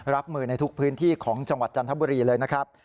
รับมือในทุกพื้นที่ของจังหวัดจันทบุรีเลยนะครับ